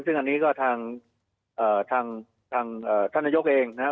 ซึ่งอันนี้ก็ทางท่านยกเองนะฮะ